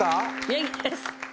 元気です。